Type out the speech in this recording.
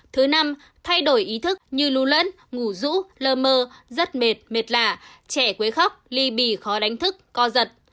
thứ năm thay đổi ý thức như lu lẫn ngủ rũ lơ mơ rất mệt mệt lạ trẻ quấy khóc ly bì khó đánh thức co giật